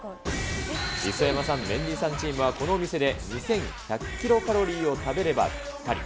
磯山さん、メンディーさんチームはこのお店で２１００キロカロリーを食べればぴったり。